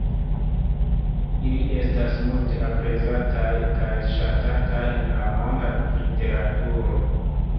Ili estas multe aprezataj kaj ŝatataj en la monda literaturo.